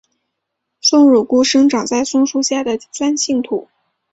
松乳菇生长在松树下的酸性土。